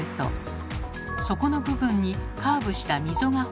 底の部分にカーブした溝がほられています。